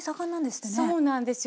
そうなんですよ。